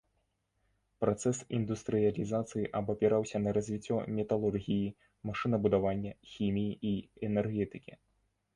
Працэс індустрыялізацыі абапіраўся на развіццё металургіі, машынабудавання, хіміі і энергетыкі.